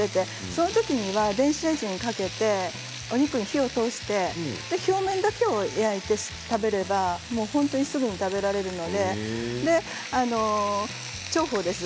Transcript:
そういうときには電子レンジにかけてお肉に火を通して表面だけを焼いて食べれば本当にすぐに食べられますので重宝です。